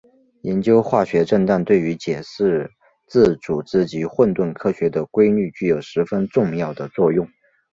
研究化学振荡对于解释自组织及混沌科学的规律具有十分重要的作用。